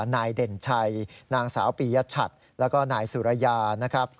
นายเด่นชัยนางสาวปียชัดแล้วก็นายสุรยานะครับ